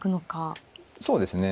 そうですね。